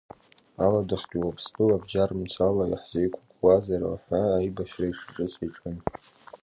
Аладахьтәи Уаԥстәыла бџьар мцала иаҳзеиқәкуазар ҳәа аибашьра ишаҿыц иаҿын.